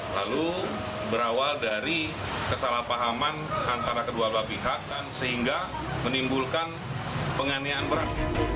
lalu berawal dari kesalahpahaman antara kedua belah pihak sehingga menimbulkan penganiaan berat